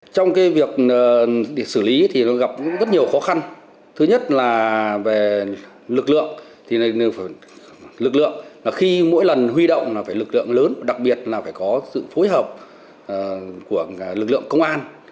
trong việc xử lý thì gặp rất nhiều khó khăn thứ nhất là về lực lượng khi mỗi lần huy động là phải lực lượng lớn đặc biệt là phải có sự phối hợp của lực lượng công an